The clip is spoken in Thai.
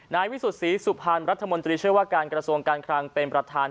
นายวิสุษีสุภารัฐมนตรีเชื่อว่าการกระทรวงการคลังเป็นประธาน